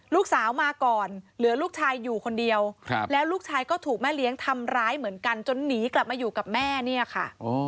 ลูกสาวมาก่อนเหลือลูกชายอยู่คนเดียวแล้วลูกชายก็ถูกแม่เลี้ยงทำร้ายเหมือนกันจนหนีกลับมาอยู่กับแม่เนี่ยค่ะ